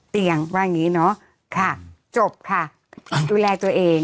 เตียงว่างี้เนาะจบค่ะดูแลตัวเอง